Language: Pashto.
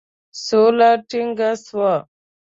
سوله ټینګه سوه.